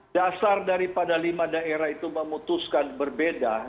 dasar daripada lima daerah itu memutuskan berbeda